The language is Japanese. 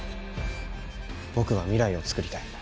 僕は未来をつくりたい。